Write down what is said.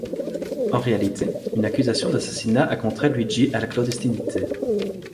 En réalité, une accusation d’assassinat a contraint Luigi à la clandestinité.